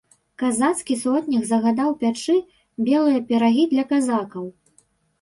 Казацкі сотнік загадаў пячы белыя пірагі для казакаў.